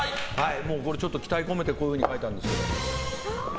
期待を込めてこういうふうに書いたんですけど。